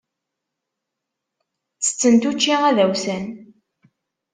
Ttettent učči adawsan.